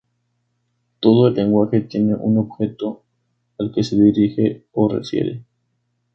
Todo lenguaje tiene un objeto al que se dirige o refiere.